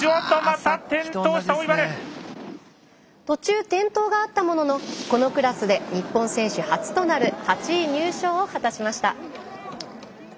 途中転倒があったもののこのクラスで日本選手初となる８位入賞を果たしました。